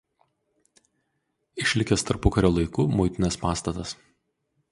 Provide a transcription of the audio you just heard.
Išlikęs tarpukario laikų muitinės pastatas.